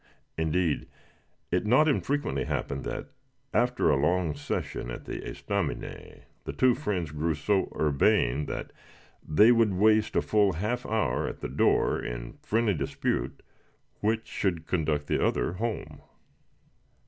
Indeed, it not infrequently happened that, after a long session at the estaminet, the two friends grew so urbane that they would waste a full half hour at the door in friendly dispute which should conduct the other home.